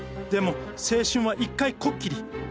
でも青春は一回こっきり。